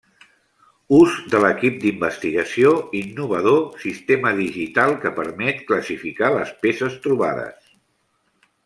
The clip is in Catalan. Ús de l'equip d'investigació innovador sistema digital que permet classificar les peces trobades.